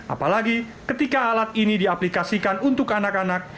apalagi ketika alat ini diaplikasikan untuk anak anak